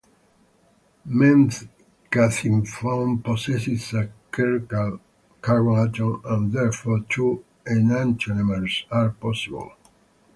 Methcathinone possesses a chiral carbon atom, and therefore "two" enantiomers are possible.